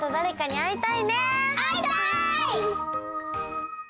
あいたい！